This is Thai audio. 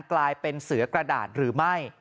กลายเป็นเสือกระดาษหรือไม่